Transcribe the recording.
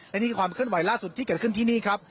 และนี่ความขึ้นไหวล่าสุดที่เกิดขึ้นที่นี่ครับ